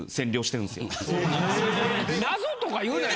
謎とか言うなよ。